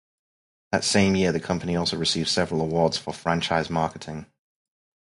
That same year, the company also received several awards for franchise marketing.